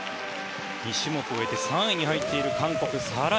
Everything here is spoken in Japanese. ２種目終えて３位に入っている韓国。